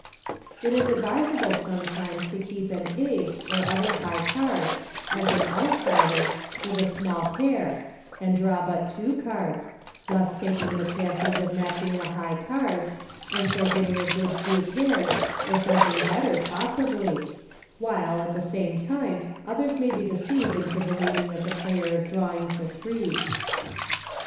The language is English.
It is advisable sometimes to keep an ace, or other high card, as an " outsider " with a small pair and draw but eja4 card £ thus tak * ing the chances of matching the high cards, and so getting a good two pairs, or something better, possibly — while at the same time others may be deceived into believing that the player is drawing to threes.